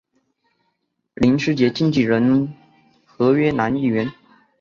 林师杰经理人合约男艺员。